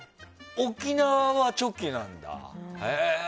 沖縄はチョキなんだ。